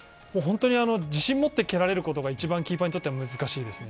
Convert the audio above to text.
自信持って蹴られることがキーパーにとっては一番難しいですね。